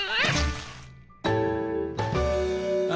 あ。